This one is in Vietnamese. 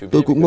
tôi cũng muốn